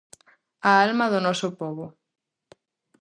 A alma do noso pobo.